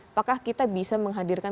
apakah kita bisa menghadirkan